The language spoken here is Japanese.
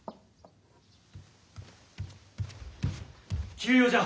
・急用じゃ！